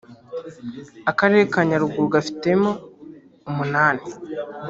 Akarere ka Nyaruguru gafitemo umunani